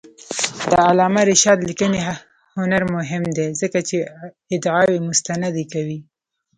د علامه رشاد لیکنی هنر مهم دی ځکه چې ادعاوې مستندې کوي.